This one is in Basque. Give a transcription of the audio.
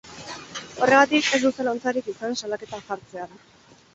Horregatik, ez du zalantzarik izan salaketa jartzean.